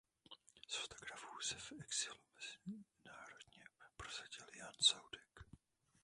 Z fotografů se v exilu mezinárodně prosadil Jan Saudek.